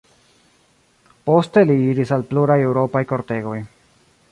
Poste li iris al pluraj eŭropaj kortegoj.